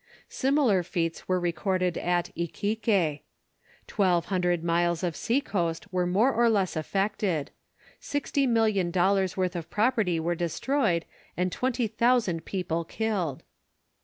Similar feats were recorded at Iquique. Twelve hundred miles of sea coast were more or less affected. Sixty million dollars worth of property were destroyed, and twenty thousand people killed.